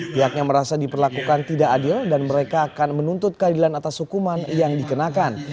pihaknya merasa diperlakukan tidak adil dan mereka akan menuntut keadilan atas hukuman yang dikenakan